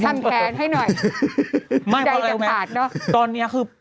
ใดแต่ผาดเนอะไม่พอแล้วแม่ตอนนี้คือ